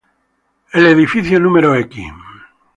El Edificio No.